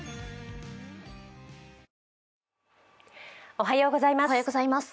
おはようございます。